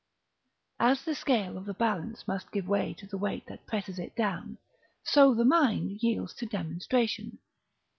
["As the scale of the balance must give way to the weight that presses it down, so the mind yields to demonstration."